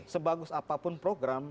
sebagus apapun program